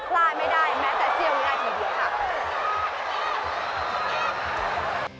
พลาดไม่ได้แม้แต่เซียงง่ายทีเดียวค่ะ